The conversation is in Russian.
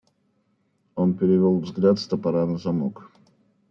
Он перевел взгляд с топора на замок.